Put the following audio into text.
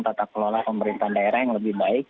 tata kelola pemerintahan daerah yang lebih baik